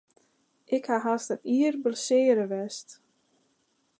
Ik haw hast in jier blessearre west.